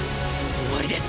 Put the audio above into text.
終わりです